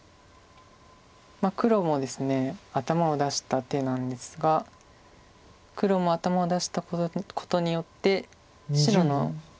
黒もですね頭を出した手なんですが黒も頭を出したことによって白の２つの石ありますよね